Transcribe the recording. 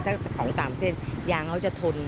ถ้าของต่างประเทศยางเขาจะทน